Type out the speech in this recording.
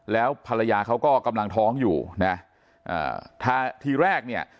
แล้วภรรยาเขาก็กำลังท้องอยู่นะอ่าถ้าทีแรกเนี่ย